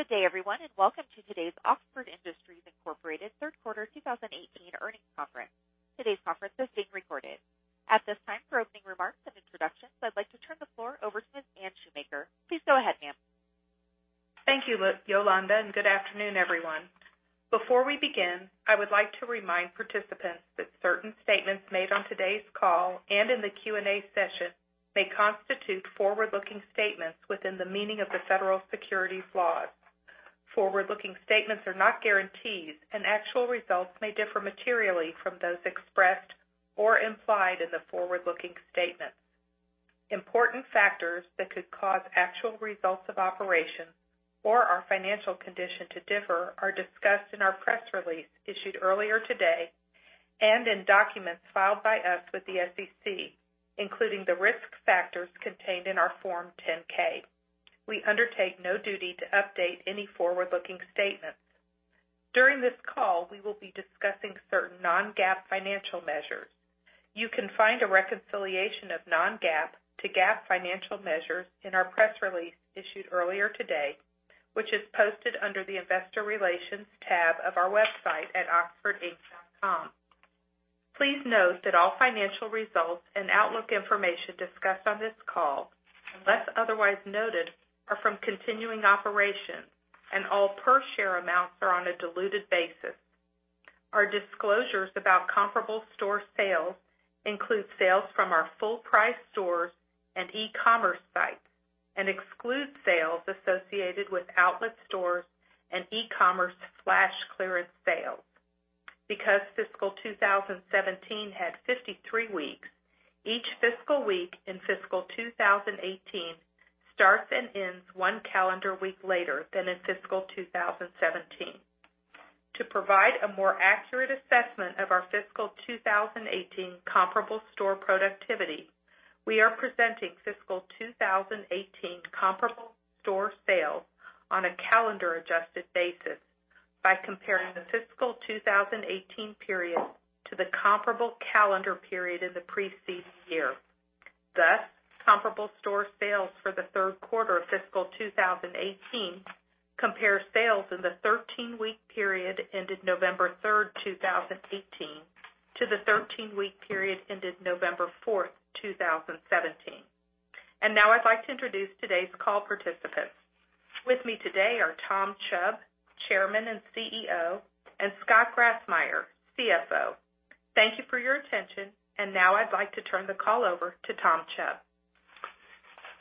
Good day, everyone, welcome to today's Oxford Industries, Inc. third quarter 2018 earnings conference. Today's conference is being recorded. At this time, for opening remarks and introductions, I'd like to turn the floor over to Ms. Anne Shoemaker. Please go ahead, ma'am. Thank you, Yolanda, good afternoon, everyone. Before we begin, I would like to remind participants that certain statements made on today's call and in the Q&A session may constitute forward-looking statements within the meaning of the federal securities laws. Forward-looking statements are not guarantees, actual results may differ materially from those expressed or implied in the forward-looking statements. Important factors that could cause actual results of operations or our financial condition to differ are discussed in our press release issued earlier today, in documents filed by us with the SEC, including the risk factors contained in our Form 10-K. We undertake no duty to update any forward-looking statements. During this call, we will be discussing certain non-GAAP financial measures. You can find a reconciliation of non-GAAP to GAAP financial measures in our press release issued earlier today, which is posted under the investor relations tab of our website at oxfordinc.com. Please note that all financial results and outlook information discussed on this call, unless otherwise noted, are from continuing operations and all per share amounts are on a diluted basis. Our disclosures about comparable store sales include sales from our full price stores and e-commerce sites and excludes sales associated with outlet stores and e-commerce flash clearance sales. Because fiscal 2017 had 53 weeks, each fiscal week in fiscal 2018 starts and ends one calendar week later than in fiscal 2017. To provide a more accurate assessment of our fiscal 2018 comparable store productivity, we are presenting fiscal 2018 comparable store sales on a calendar adjusted basis by comparing the fiscal 2018 period to the comparable calendar period in the preceding year. Thus, comparable store sales for the third quarter of fiscal 2018 compare sales in the 13-week period ended November 3rd, 2018, to the 13-week period ended November 4th, 2017. Now I'd like to introduce today's call participants. With me today are Tom Chubb, Chairman and CEO, Scott Grassmyer, CFO. Thank you for your attention. Now I'd like to turn the call over to Tom Chubb.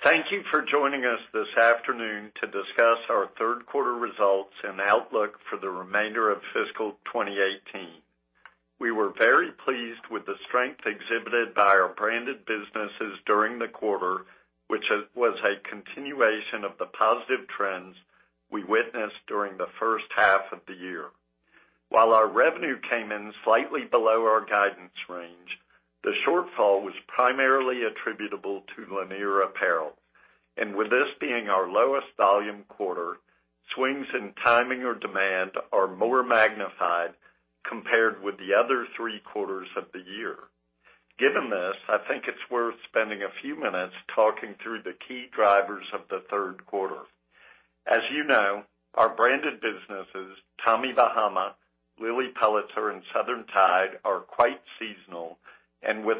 Thank you for joining us this afternoon to discuss our third quarter results and outlook for the remainder of fiscal 2018. We were very pleased with the strength exhibited by our branded businesses during the quarter, which was a continuation of the positive trends we witnessed during the first half of the year. While our revenue came in slightly below our guidance range, the shortfall was primarily attributable to Lanier Apparel. With this being our lowest volume quarter, swings in timing or demand are more magnified compared with the other three quarters of the year. Given this, I think it's worth spending a few minutes talking through the key drivers of the third quarter. As you know, our branded businesses, Tommy Bahama, Lilly Pulitzer, and Southern Tide, are quite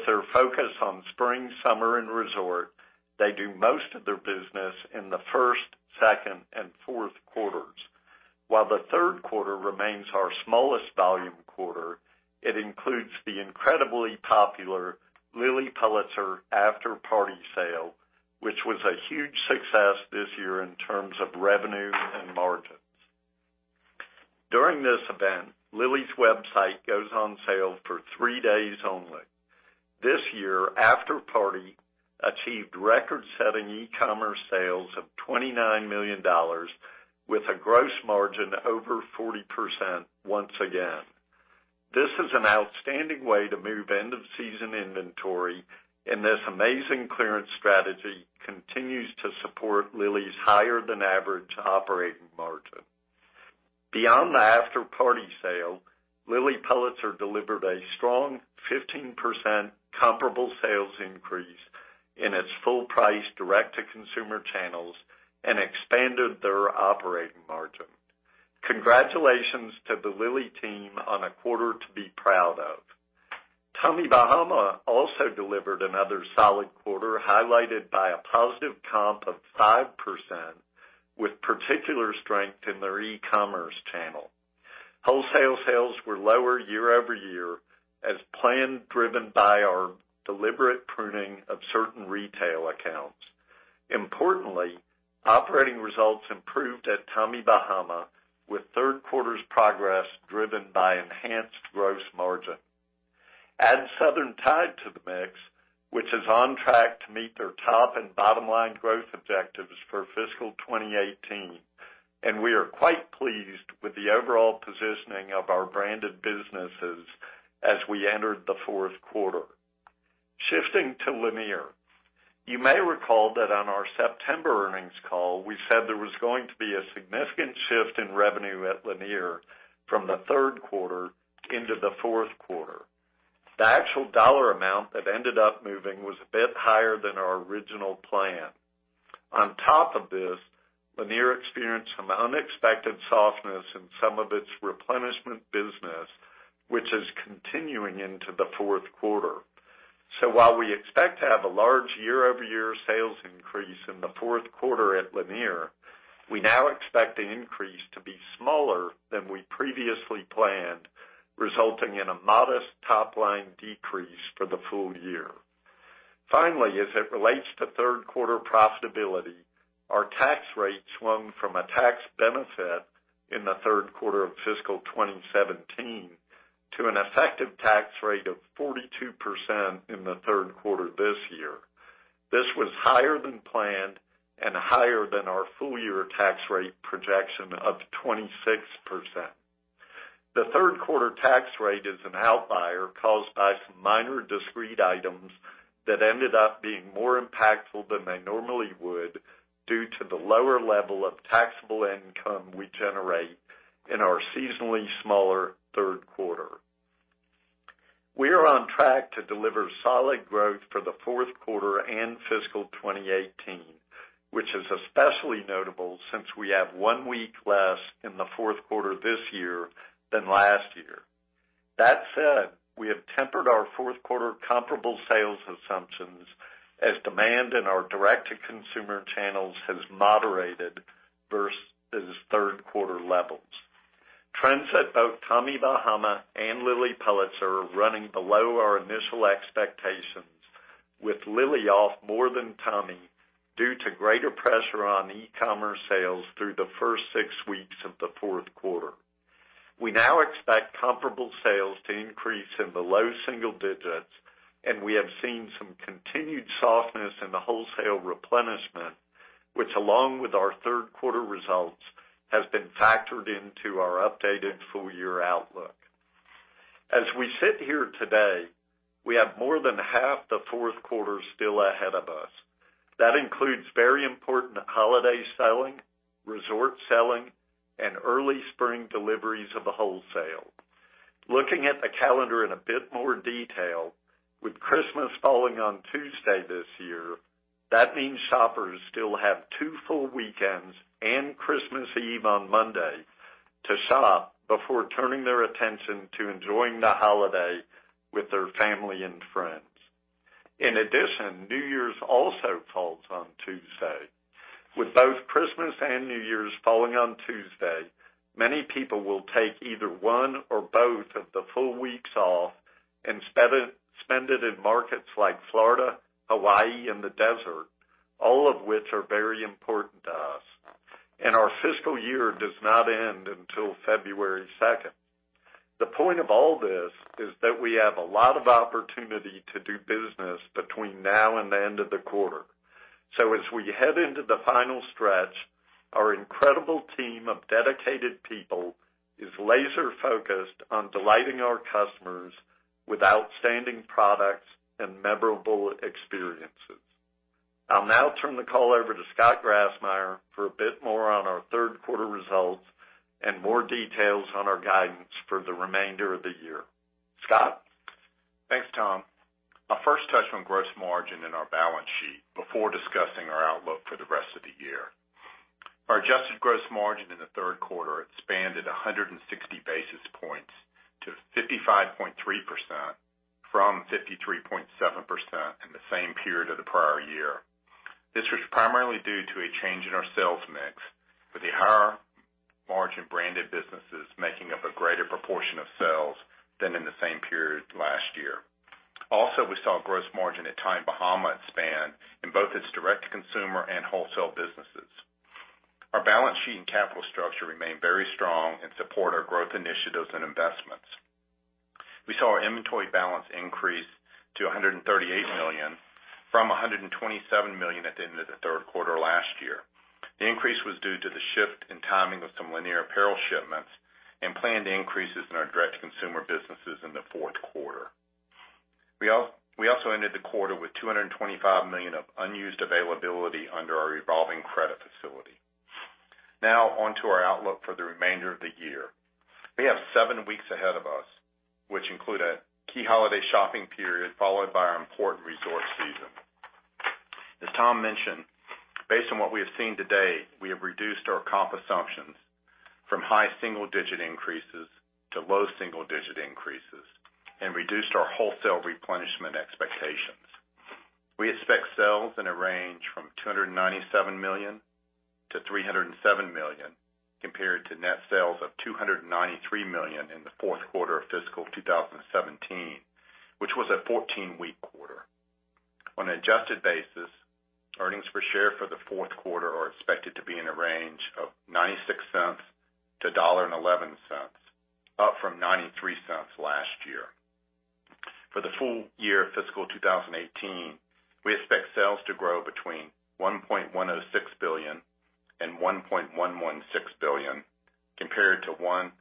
seasonal, and with their focus on spring, summer, and resort, they do most of their business in the first, second, and fourth quarters. While the third quarter remains our smallest volume quarter, it includes the incredibly popular Lilly Pulitzer After Party Sale, which was a huge success this year in terms of revenue and margins. During this event, Lilly's website goes on sale for three days only. This year, After Party achieved record-setting e-commerce sales of $29 million, with a gross margin over 40% once again. This is an outstanding way to move end-of-season inventory, and this amazing clearance strategy continues to support Lilly's higher than average operating margin. Beyond the After Party Sale, Lilly Pulitzer delivered a strong 15% comparable sales increase in its full price direct-to-consumer channels and expanded their operating margin. Congratulations to the Lilly team on a quarter to be proud of. Tommy Bahama also delivered another solid quarter, highlighted by a positive comp of 5% with particular strength in their e-commerce channel. Wholesale sales were lower year-over-year as planned, driven by our deliberate pruning of certain retail accounts. Importantly, operating results improved at Tommy Bahama with third quarter's progress driven by enhanced gross margin. Add Southern Tide to the mix, which is on track to meet their top and bottom-line growth objectives for fiscal 2018. We are quite pleased with the overall positioning of our branded businesses as we entered the fourth quarter. Shifting to Lanier. You may recall that on our September earnings call, we said there was going to be a significant shift in revenue at Lanier from the third quarter into the fourth quarter. The actual dollar amount that ended up moving was a bit higher than our original plan. On top of this, Lanier experienced some unexpected softness in some of its replenishment business, which is continuing into the fourth quarter. While we expect to have a large year-over-year sales increase in the fourth quarter at Lanier, we now expect the increase to be smaller than we previously planned, resulting in a modest top-line decrease for the full year. Finally, as it relates to third quarter profitability, our tax rate swung from a tax benefit in the third quarter of fiscal 2017 to an effective tax rate of 42% in the third quarter this year. This was higher than planned and higher than our full-year tax rate projection of 26%. The third quarter tax rate is an outlier caused by some minor discrete items that ended up being more impactful than they normally would due to the lower level of taxable income we generate in our seasonally smaller third quarter. We are on track to deliver solid growth for the fourth quarter and fiscal 2018, which is especially notable since we have one week less in the fourth quarter this year than last year. That said, we have tempered our fourth quarter comparable sales assumptions as demand in our direct-to-consumer channels has moderated versus third quarter levels. Trends at both Tommy Bahama and Lilly Pulitzer are running below our initial expectations, with Lilly off more than Tommy due to greater pressure on e-commerce sales through the first six weeks of the fourth quarter. We now expect comparable sales to increase in the low single digits, and we have seen some continued softness in the wholesale replenishment, which, along with our third quarter results, has been factored into our updated full-year outlook. As we sit here today, we have more than half the fourth quarter still ahead of us. That includes very important holiday selling, resort selling, and early spring deliveries of the wholesale. Looking at the calendar in a bit more detail, with Christmas falling on Tuesday this year, that means shoppers still have two full weekends and Christmas Eve on Monday to shop before turning their attention to enjoying the holiday with their family and friends. In addition, New Year's also falls on Tuesday. With both Christmas and New Year's falling on Tuesday, many people will take either one or both of the full weeks off and spend it in markets like Florida, Hawaii, and the desert, all of which are very important to us. Our fiscal year does not end until February 2nd. The point of all this is that we have a lot of opportunity to do business between now and the end of the quarter. As we head into the final stretch, our incredible team of dedicated people is laser-focused on delighting our customers with outstanding products and memorable experiences. I'll now turn the call over to Scott Grassmyer for a bit more on our third quarter results and more details on our guidance for the remainder of the year. Scott? Thanks, Tom. I'll first touch on gross margin and our balance sheet before discussing our outlook for the rest of the year. Our adjusted gross margin in the third quarter expanded 160 basis points to 55.3% from 53.7% in the same period of the prior year. This was primarily due to a change in our sales mix, with the higher margin branded businesses making up a greater proportion of sales than in the same period last year. Also, we saw gross margin at Tommy Bahama expand in both its direct-to-consumer and wholesale businesses. Our balance sheet and capital structure remain very strong and support our growth initiatives and investments. We saw our inventory balance increase to $138 million from $127 million at the end of the third quarter last year. The increase was due to the shift in timing of some Lanier Apparel shipments and planned increases in our direct-to-consumer businesses in the fourth quarter. We also ended the quarter with $225 million of unused availability under our revolving credit facility. Now on to our outlook for the remainder of the year. We have seven weeks ahead of us, which include a key holiday shopping period, followed by our important resort season. As Tom mentioned, based on what we have seen to date, we have reduced our comp assumptions from high single-digit increases to low single-digit increases and reduced our wholesale replenishment expectations. We expect sales in a range from $297 million-$307 million, compared to net sales of $293 million in the fourth quarter of fiscal 2017, which was a 14-week quarter. On an adjusted basis, earnings per share for the fourth quarter are expected to be in the range of $0.96-$1.11, up from $0.93 last year. For the full year fiscal 2018, we expect sales to grow between $1.106 billion and $1.116 billion, compared to $1.086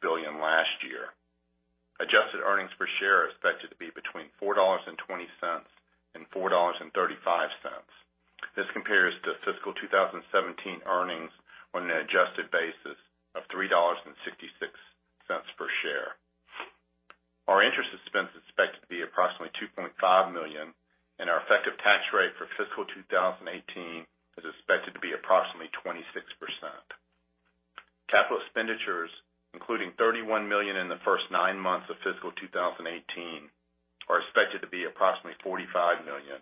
billion last year. Adjusted earnings per share are expected to be between $4.75 and $4.35. This compares to fiscal 2017 earnings on an adjusted basis of $3.66 per share. Our interest expense is expected to be approximately $2.5 million, and our effective tax rate for fiscal 2018 is expected to be approximately 26%. Capital expenditures, including $31 million in the first nine months of fiscal 2018, are expected to be approximately $45 million,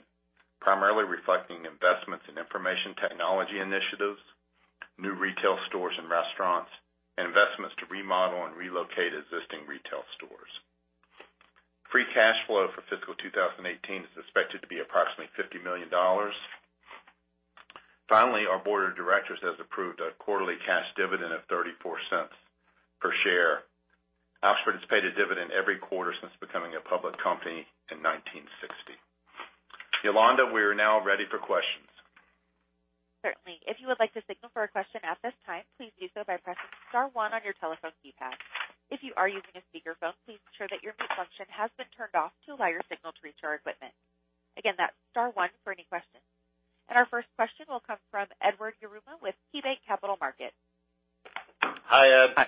primarily reflecting investments in information technology initiatives, new retail stores and restaurants, and investments to remodel and relocate existing retail stores. Free cash flow for fiscal 2018 is expected to be approximately $50 million. Finally, our board of directors has approved a quarterly cash dividend of $0.34 per share. Oxford has paid a dividend every quarter since becoming a public company in 1960. Yolanda, we are now ready for questions. Certainly. If you would like to signal for a question at this time, please do so by pressing star one on your telephone keypad. If you are using a speakerphone, please ensure that your mute function has been turned off to allow your signal to reach our equipment. Again, that's star one for any questions. Our first question will come from Edward Yruma with KeyBanc Capital Markets. Hi, Ed.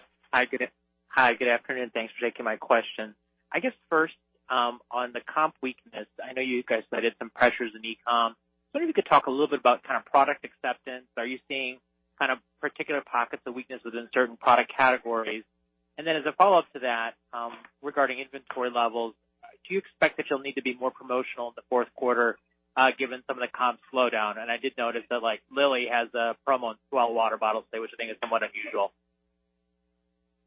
Hi. Good afternoon. Thanks for taking my question. I guess first, on the comp weakness, I know you guys cited some pressures in e-com. I was wondering if you could talk a little bit about product acceptance. Are you seeing particular pockets of weaknesses in certain product categories? Then as a follow-up to that, regarding inventory levels, do you expect that you'll need to be more promotional in the fourth quarter given some of the comp slowdown? I did notice that Lilly has a promo on S'well water bottles today, which I think is somewhat unusual.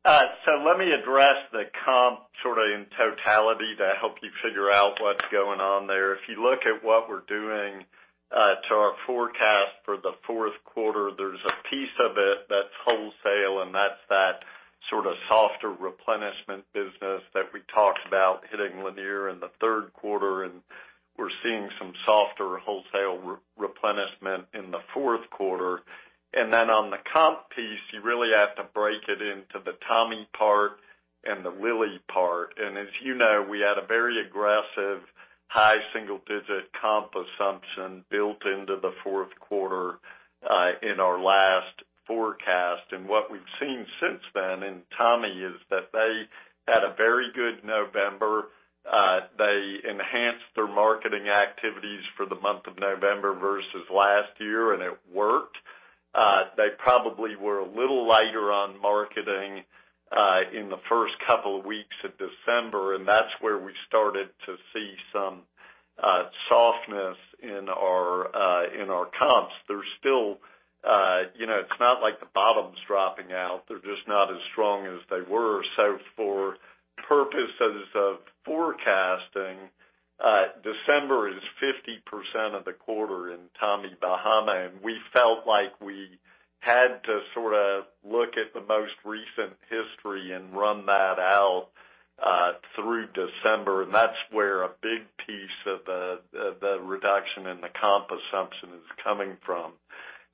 Let me address the comp sort of in totality to help you figure out what's going on there. If you look at what we're doing to our forecast for the fourth quarter, there's a piece of it that's wholesale, and that's that sort of softer replenishment business that we talked about hitting Lanier in the third quarter. We're seeing some softer wholesale replenishment in the fourth quarter. Then on the comp piece, you really have to break it into the Tommy part and the Lilly part. As you know, we had a very aggressive high single-digit comp assumption built into the fourth quarter in our last forecast. What we've seen since then in Tommy is that they had a very good November. They enhanced their marketing activities for the month of November versus last year, and it worked. They probably were a little lighter on marketing in the first couple of weeks of December, and that's where we started to see some softness in our comps. It's not like the bottom's dropping out. They're just not as strong as they were. For purposes of forecasting, December is 50% of the quarter in Tommy Bahama, and we felt like we had to sort of look at the most recent history and run that out through December. That's where a big piece of the reduction in the comp assumption is coming from.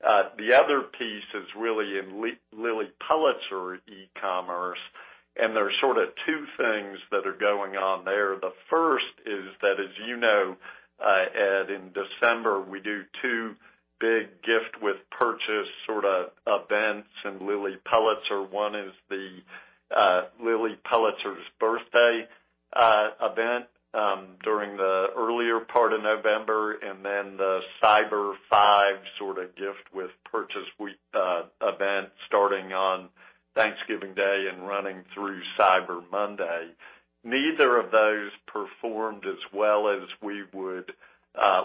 The other piece is really in Lilly Pulitzer e-commerce, and there's sort of two things that are going on there. The first is that as you know, Ed, in December, we do two big gift-with-purchase sort of events in Lilly Pulitzer. One is the Lilly Pulitzer's birthday event during the earlier part of November, and then the Cyber 5 sort of gift with purchase event starting on Thanksgiving Day and running through Cyber Monday. Neither of those performed as well as we would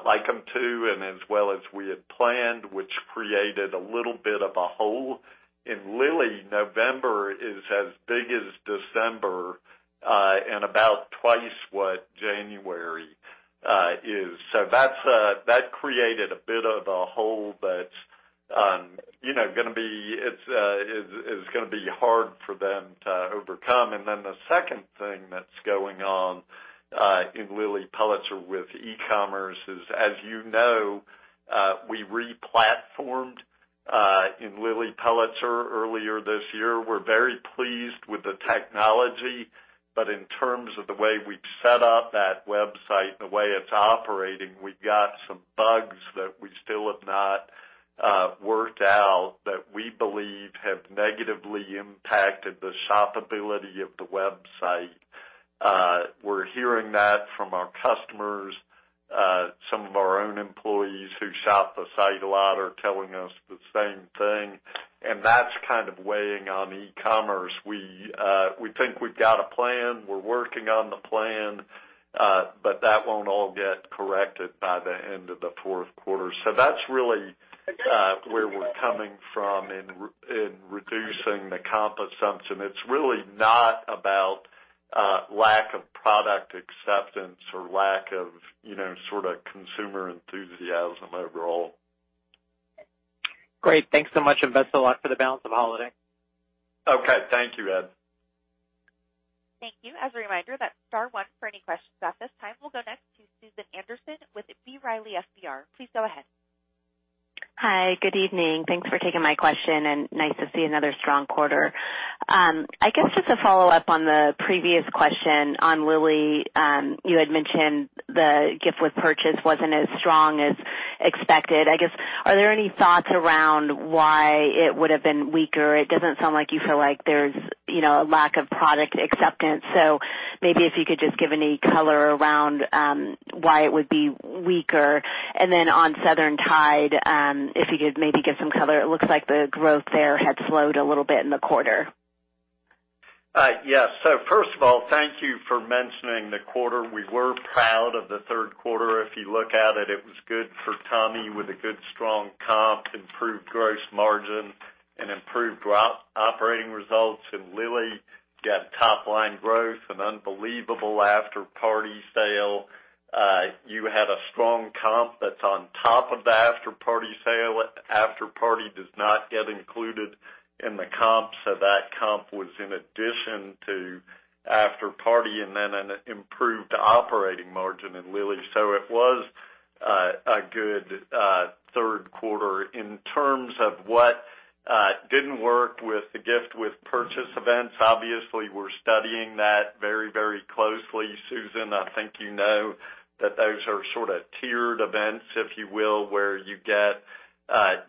like them to and as well as we had planned, which created a little bit of a hole. In Lilly, November is as big as December, and about twice what January is. That created a bit of a hole that is gonna be hard for them to overcome. The second thing that's going on in Lilly Pulitzer with e-commerce is, as you know, we re-platformed in Lilly Pulitzer earlier this year. We're very pleased with the technology, but in terms of the way we've set up that website and the way it's operating, we've got some bugs that we still have not worked out that we believe have negatively impacted the shoppability of the website. We're hearing that from our customers. Some of our own employees who shop the site a lot are telling us the same thing, and that's kind of weighing on e-commerce. We think we've got a plan. We're working on the plan. That won't all get corrected by the end of the fourth quarter. That's really where we're coming from in reducing the comp assumption. It's really not about lack of product acceptance or lack of consumer enthusiasm overall. Great. Thanks so much, and best of luck for the balance of holiday. Okay. Thank you, Ed. Thank you. As a reminder, that's star one for any questions at this time. We'll go next to Susan Anderson with B. Riley FBR. Please go ahead. Hi, good evening. Thanks for taking my question, nice to see another strong quarter. I guess just to follow up on the previous question on Lilly, you had mentioned the gift with purchase wasn't as strong as expected. I guess, are there any thoughts around why it would have been weaker? It doesn't sound like you feel like there's a lack of product acceptance. Maybe if you could just give any color around why it would be weaker. On Southern Tide, if you could maybe give some color. It looks like the growth there had slowed a little bit in the quarter. Yes. First of all, thank you for mentioning the quarter. We were proud of the third quarter. If you look at it was good for Tommy with a good strong comp, improved gross margin, and improved operating results in Lilly. Got top-line growth, an unbelievable After Party Sale. You had a strong comp that's on top of the After Party Sale. After Party does not get included in the comp, that comp was in addition to After Party, and then an improved operating margin in Lilly. It was a good third quarter. In terms of what didn't work with the gift-with-purchase events, obviously, we're studying that very closely. Susan, I think you know that those are sort of tiered events, if you will, where you get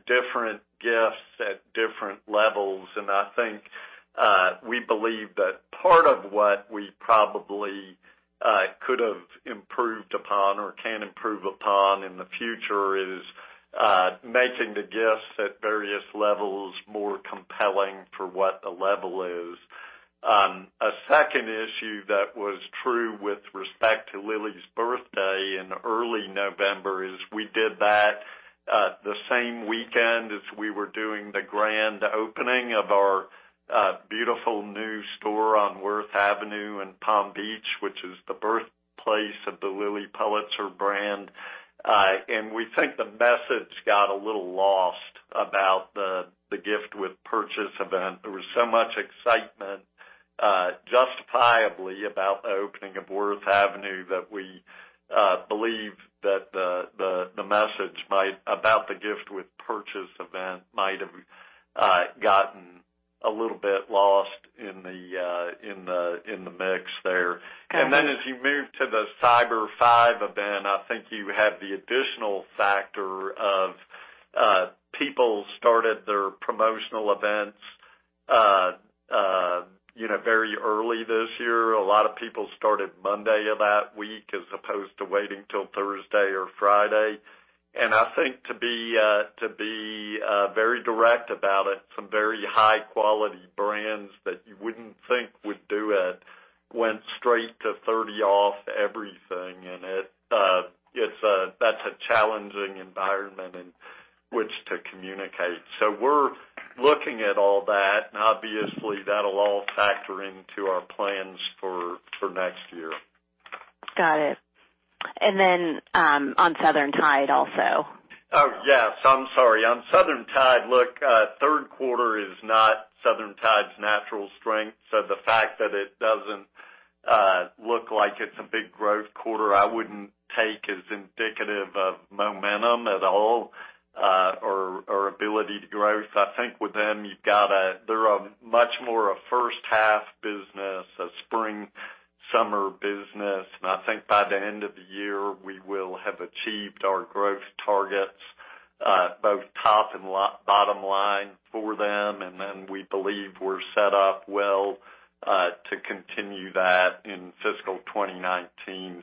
different gifts at different levels. I think we believe that part of what we probably could have improved upon or can improve upon in the future is making the gifts at various levels more compelling for what the level is. A second issue that was true with respect to Lilly's birthday in early November is we did that the same weekend as we were doing the grand opening of our beautiful new store on Worth Avenue in Palm Beach, which is the birthplace of the Lilly Pulitzer brand. We think the message got a little lost about the gift-with-purchase event. There was so much excitement, justifiably, about the opening of Worth Avenue that we believe that the message about the gift-with-purchase event might have gotten a little bit lost in the mix there. As you move to the Cyber 5 event, I think you have the additional factor of people started their promotional events very early this year. A lot of people started Monday of that week as opposed to waiting till Thursday or Friday. I think to be very direct about it, some very high-quality brands that you wouldn't think would do it went straight to 30 off everything. That's a challenging environment in which to communicate. We're looking at all that and obviously, that'll all factor into our plans for next year. Got it. On Southern Tide also. Oh, yes. I'm sorry. On Southern Tide, look, third quarter is not Southern Tide's natural strength. The fact that it doesn't look like it's a big growth quarter, I wouldn't take as indicative of momentum at all or ability to growth. I think with them, they're a much more a first half business, a spring, summer business. I think by the end of the year, we will have achieved our growth targets both top and bottom line for them. We believe we're set up well to continue that in fiscal 2019.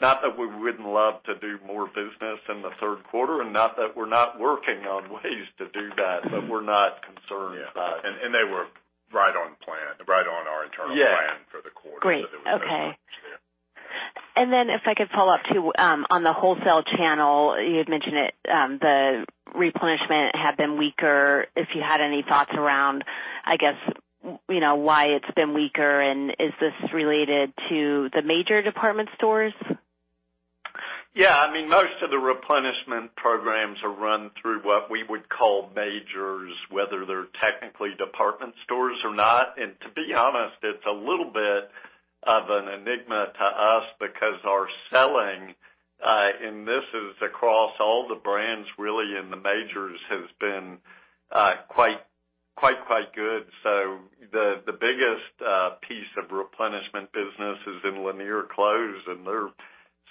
Not that we wouldn't love to do more business in the third quarter and not that we're not working on ways to do that, but we're not concerned about it. Yeah. They were right on our internal plan for the quarter. Great. Okay. Then if I could follow up too on the wholesale channel, you had mentioned the replenishment had been weaker. If you had any thoughts around, I guess, why it's been weaker and is this related to the major department stores? Yeah. Most of the replenishment programs are run through what we would call majors, whether they're technically department stores or not. To be honest, it's a little bit of an enigma to us because our selling, and this is across all the brands really in the majors, has been quite good. The biggest piece of replenishment business is in Lanier Clothes, and their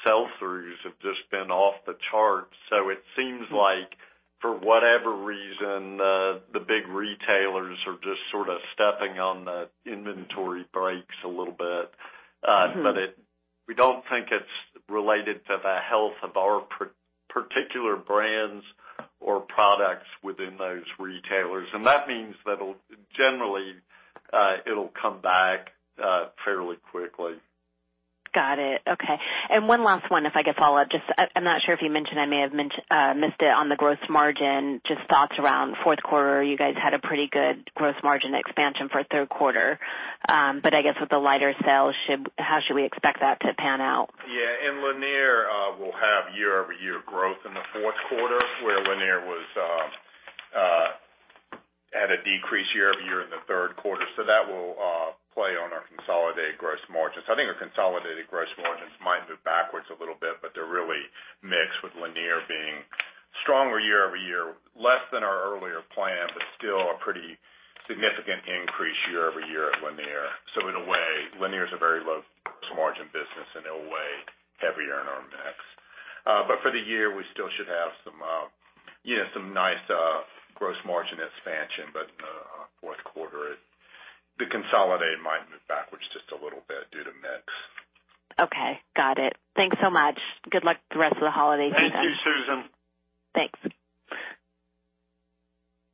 sell-throughs have just been off the charts. It seems like for whatever reason, the big retailers are just sort of stepping on the inventory brakes a little bit. We don't think it's related to the health of our particular brands or products within those retailers. That means that generally, it'll come back fairly quickly. Got it. Okay. One last one if I could follow up. I'm not sure if you mentioned, I may have missed it on the gross margin, just thoughts around fourth quarter. You guys had a pretty good gross margin expansion for third quarter. I guess with the lighter sales, how should we expect that to pan out? Yeah. In Lanier, we'll have year-over-year growth in the fourth quarter where Lanier was A decrease year-over-year in the third quarter. That will play on our consolidated gross margins. I think our consolidated gross margins might move backwards a little bit, they're really mixed with Lanier being stronger year-over-year, less than our earlier plan, still a pretty significant increase year-over-year at Lanier. In a way, Lanier is a very low gross margin business, and it'll weigh heavier in our mix. For the year, we still should have some nice gross margin expansion, but in the fourth quarter, the consolidated might move backwards just a little bit due to mix. Okay, got it. Thanks so much. Good luck with the rest of the holiday season. Thank you, Susan. Thanks.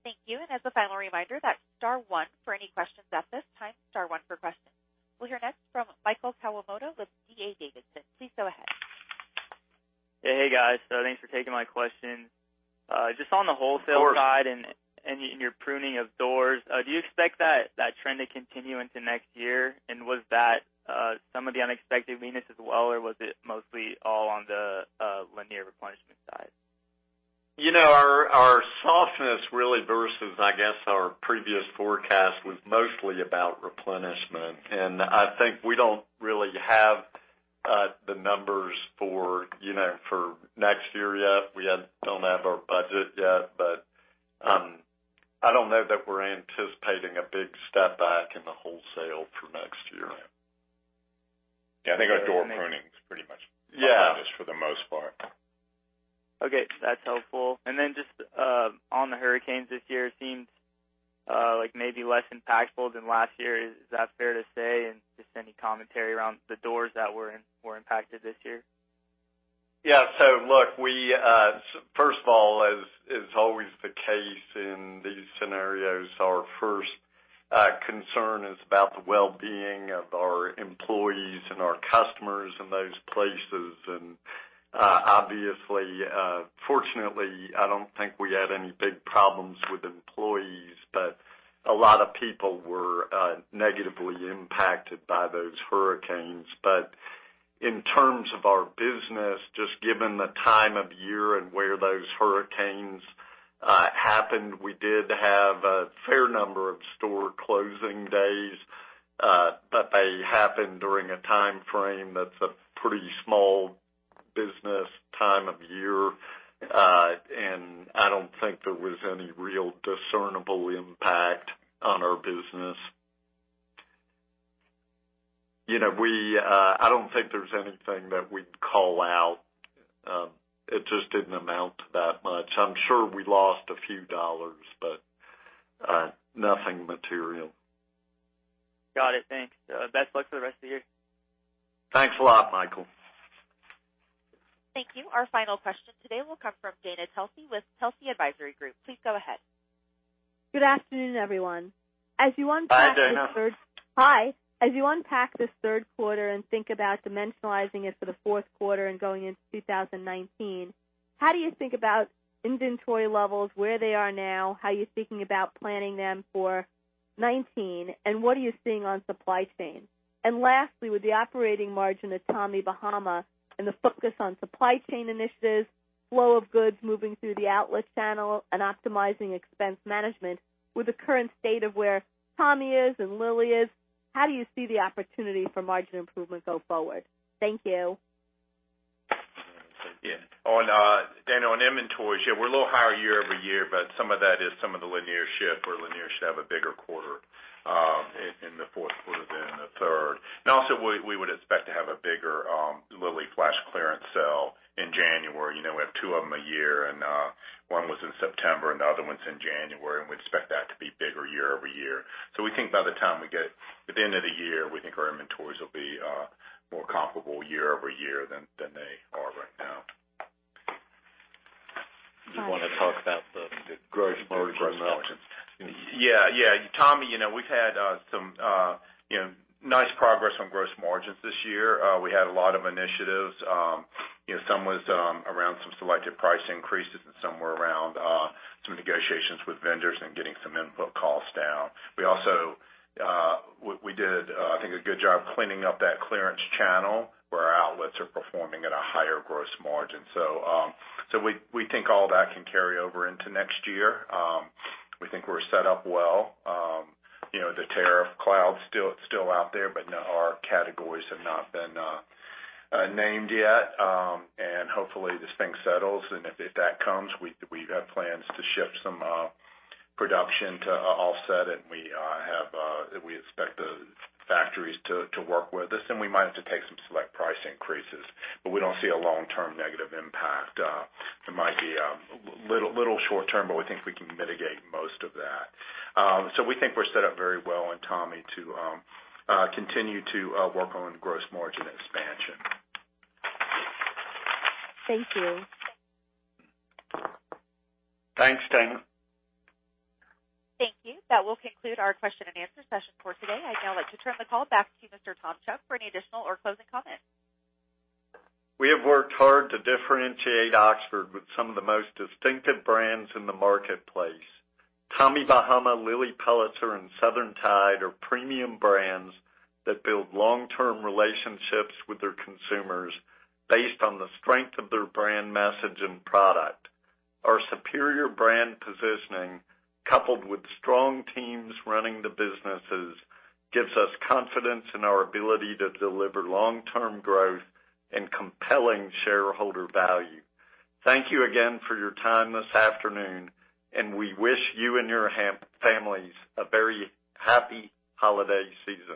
Thank you. As a final reminder, that's star one for any questions at this time, star one for questions. We'll hear next from Michael Kawamoto with D.A. Davidson. Please go ahead. Hey, guys. Thanks for taking my question. Just on the wholesale side and your pruning of doors, do you expect that trend to continue into next year? Was that some of the unexpected weakness as well, or was it mostly all on the Lanier replenishment side? Our softness really versus, I guess, our previous forecast was mostly about replenishment. I think we don't really have the numbers for next year yet. We don't have our budget yet. I don't know that we're anticipating a big step back in the wholesale for next year. Yeah. I think our door pruning is pretty much. Yeah. That's for the most part. Okay, that's helpful. Just on the hurricanes this year, it seems maybe less impactful than last year. Is that fair to say? Just any commentary around the doors that were impacted this year? Yeah. Look, first of all, as is always the case in these scenarios, our first concern is about the well-being of our employees and our customers in those places. Obviously, fortunately, I don't think we had any big problems with employees, but a lot of people were negatively impacted by those hurricanes. In terms of our business, just given the time of year and where those hurricanes happened, we did have a fair number of store closing days, but they happened during a timeframe that's a pretty small business time of year. I don't think there was any real discernible impact on our business. I don't think there's anything that we'd call out. It just didn't amount to that much. I'm sure we lost a few dollars, but nothing material. Got it. Thanks. Best luck for the rest of the year. Thanks a lot, Michael. Thank you. Our final question today will come from Dana Telsey with Telsey Advisory Group. Please go ahead. Good afternoon, everyone. As you unpack Hi, Dana. Hi. As you unpack this third quarter and think about dimensionalizing it for the fourth quarter and going into 2019, how do you think about inventory levels, where they are now, how you're thinking about planning them for 2019, what are you seeing on supply chain? Lastly, with the operating margin at Tommy Bahama and the focus on supply chain initiatives, flow of goods moving through the outlet channel, and optimizing expense management with the current state of where Tommy is and Lilly is, how do you see the opportunity for margin improvement go forward? Thank you. Yeah. Dana, on inventory, sure, we're a little higher year-over-year. Some of that is some of the Lanier shift where Lanier should have a bigger quarter in the fourth quarter than in the third. Also, we would expect to have a bigger Lilly flash clearance sale in January. We have two of them a year, and one was in September and the other one's in January, and we'd expect that to be bigger year-over-year. We think by the time we get to the end of the year, we think our inventories will be more comparable year-over-year than they are right now. Do you want to talk about the gross margin expansion? Yeah. Tommy, we've had some nice progress on gross margins this year. We had a lot of initiatives. Some was around some selective price increases and some were around some negotiations with vendors and getting some input costs down. We also did, I think, a good job cleaning up that clearance channel where our outlets are performing at a higher gross margin. We think all that can carry over into next year. We think we're set up well. The tariff cloud's still out there, but our categories have not been named yet. Hopefully, this thing settles, and if that comes, we have plans to shift some production to offset it. We expect the factories to work with us, and we might have to take some select price increases. We don't see a long-term negative impact. There might be a little short-term, but we think we can mitigate most of that. We think we're set up very well in Tommy to continue to work on gross margin expansion. Thank you. Thanks, Dana. Thank you. That will conclude our question and answer session for today. I'd now like to turn the call back to you, Mr. Tom Chubb, for any additional or closing comments. We have worked hard to differentiate Oxford Industries with some of the most distinctive brands in the marketplace. Tommy Bahama, Lilly Pulitzer, and Southern Tide are premium brands that build long-term relationships with their consumers based on the strength of their brand message and product. Our superior brand positioning, coupled with strong teams running the businesses, gives us confidence in our ability to deliver long-term growth and compelling shareholder value. Thank you again for your time this afternoon, and we wish you and your families a very happy holiday season.